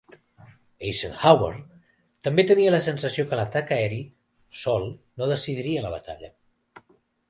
Eisenhower també tenia la sensació que l'atac aeri sol no decidiria la batalla.